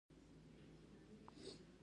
مېز ځینې وخت فولادي جوړ وي.